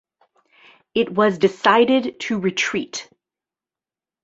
It was decided to retreat.